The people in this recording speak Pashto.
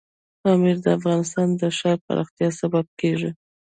پامیر د افغانستان د ښاري پراختیا سبب کېږي.